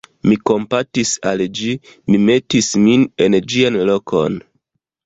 mi kompatis al ĝi, mi metis min en ĝian lokon.